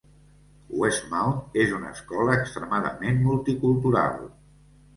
Westmount és una escola extremadament multicultural.